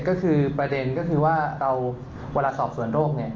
๖๔๗ก็คือประเด็นว่าเราเวลาสอบส่วนโรค